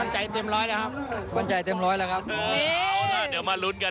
ใจเต็มร้อยแล้วครับมั่นใจเต็มร้อยแล้วครับเอาล่ะเดี๋ยวมาลุ้นกัน